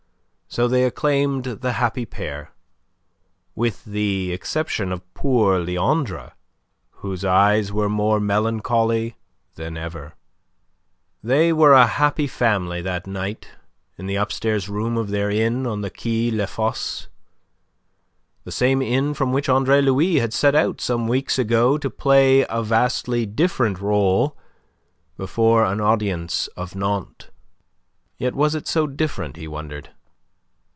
So they acclaimed the happy pair, with the exception of poor Leandre, whose eyes were more melancholy than ever. They were a happy family that night in the upstairs room of their inn on the Quai La Fosse the same inn from which Andre Louis had set out some weeks ago to play a vastly different role before an audience of Nantes. Yet was it so different, he wondered?